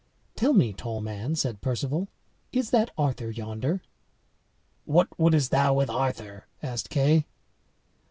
"Tell me, tall man," said Perceval, "is that Arthur yonder?" "What wouldst thou with Arthur?" asked Kay.